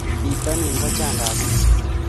pitonin ko chang ksishek